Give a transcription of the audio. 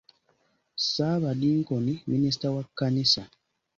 Ssaabadinkoni minisita wa kkanisa.